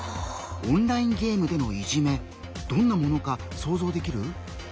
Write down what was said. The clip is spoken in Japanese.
オンラインゲームでのいじめどんなものか想像できる？